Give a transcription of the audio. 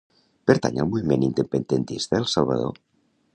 Pertany al moviment independentista el Salvador?